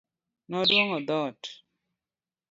Noduong'o dhoot.